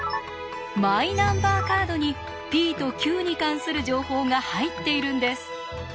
マイナンバーカードにｐとｑに関する情報が入っているんです。